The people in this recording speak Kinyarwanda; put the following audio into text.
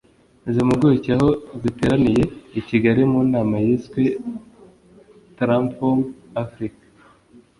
Izi mpuguke aho ziteraniye I Kigali mu nama yiswe Tranform Afrika